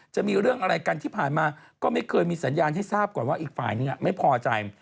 จะมีเรื่องอะไรกันที่ผ่านมาก็ไม่เคยมีสัญญาณให้ทราบก่อนว่าอีกฝ่ายนึงไม่พอใจ